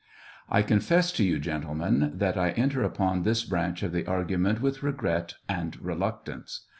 I confess to you, gentlemen, that I enter upon this branch of the argument with regret and reluctance.